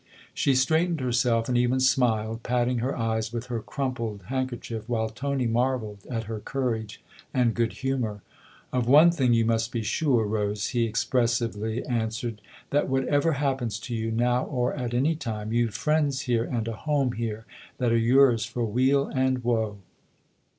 She straightened herself and even smiled, patting her eyes with her crumpled handkerchief, while Tony marvelled at her courage and good humour. " Of one thing you must be sure, Rose," he expressively answered, " that whatever happens to you, now or at any time, you've friends here 84 THE OTHER HOUSE and a home here that are yours for weal and woe."